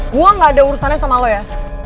gue gak ada urusannya sama lo ya